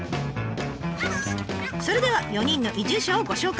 それでは４人の移住者をご紹介。